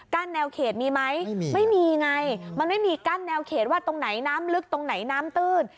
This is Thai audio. กั้นแนวเขตมีไหมไม่มีไงไม่มีกั้นแนวเขตตรวจไหนน้ำลึกน้ำตื้น